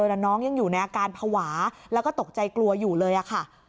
แต่น้องยังอยู่ในอาการภาวะแล้วก็ตกใจกลัวอยู่เลยค่ะ